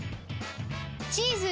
［チーズ